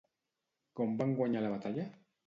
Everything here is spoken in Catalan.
Com van guanyar la batalla?